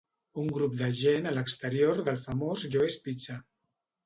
Un grup de gent a l'exterior del famós Joe's Pizza.